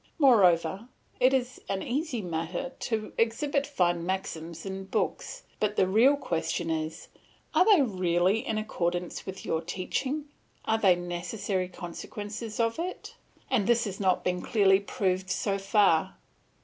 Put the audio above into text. Moreover, it is an easy matter to exhibit fine maxims in books; but the real question is Are they really in accordance with your teaching, are they the necessary consequences of it? and this has not been clearly proved so far.